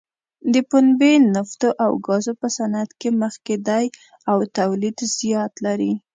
د پنبې، نفتو او ګازو په صنعت کې مخکې دی او تولید زیات لري.